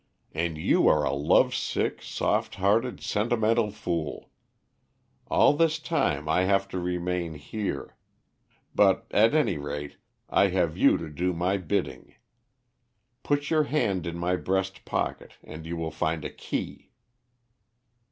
"And you are a love sick, soft hearted, sentimental fool. All this time I have to remain here. But, at any rate, I have you to do my bidding. Put your hand in my breast pocket and you will find a key."